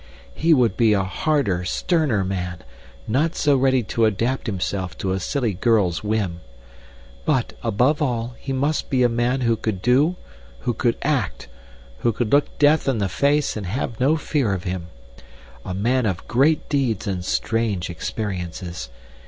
"He would be a harder, sterner man, not so ready to adapt himself to a silly girl's whim. But, above all, he must be a man who could do, who could act, who could look Death in the face and have no fear of him, a man of great deeds and strange experiences.